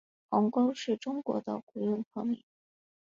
鸿沟是中国的古运河名。